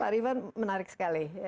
pak rivan menarik sekali